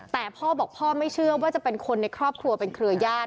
แต่พ่อบอกพ่อไม่เชื่อว่าจะเป็นคนในครอบครัวเป็นเครือญาติ